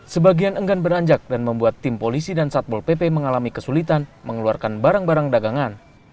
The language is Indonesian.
sebagian enggan beranjak dan membuat tim polisi dan satpol pp mengalami kesulitan mengeluarkan barang barang dagangan